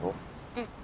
うん。